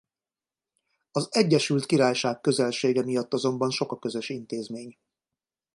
Az Egyesült Királyság közelsége miatt azonban sok a közös intézmény.